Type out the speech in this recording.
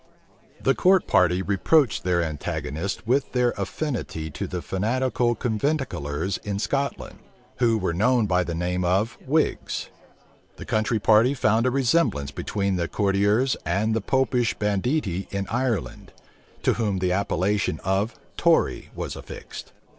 The court party reproached their antagonists with their affinity to the fanatical conventiclers in Scotland, who were known by the name of whigs: the country party found a resemblance between the courtiers and the Popish banditti in Ireland, to whom the appellation of tory was affixed.